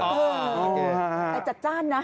ใกล้จัดจ้านนะ